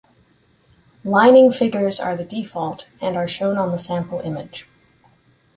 Lining figures are the default, and are shown on the sample image.